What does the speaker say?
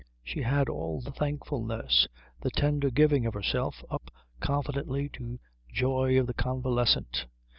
She had all the thankfulness, the tender giving of herself up confidently to joy of the convalescent.